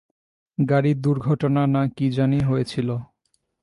গাড়ি দূর্ঘটনা না কী জানি হয়েছিল।